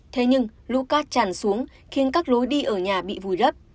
thế nhưng lũ cát tràn xuống khiến các lối đi ở nhà bị vùi lấp